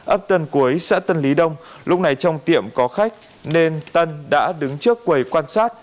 ấp tân cuối xã tân lý đông lúc này trong tiệm có khách nên tân đã đứng trước quầy quan sát